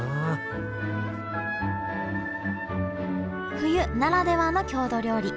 冬ならではの郷土料理